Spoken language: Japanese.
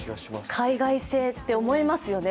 海外製って思いますよね。